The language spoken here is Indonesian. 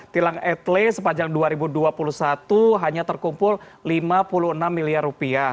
tilang etle sepanjang dua ribu dua puluh satu hanya terkumpul lima puluh enam miliar rupiah